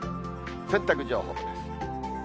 洗濯情報です。